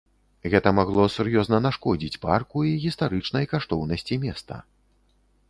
Гэта магло сур'ёзна нашкодзіць парку і гістарычнай каштоўнасці места.